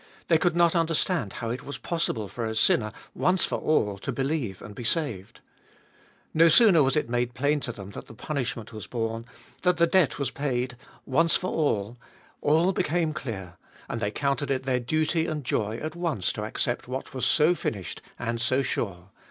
They could not understand how it was possible for a sinner once for all to believe and be saved. No sooner was it made plain to them that the punishment was borne, that the debt was paid, once for all, all became clear and they counted it their duty and joy at once to accept what Iboliest of atl 341 was so finished and so sure.